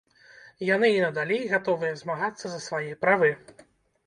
Яны і надалей гатовыя змагацца за свае правы.